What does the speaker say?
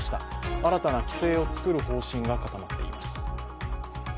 新たな規制を作る方針が固まっています。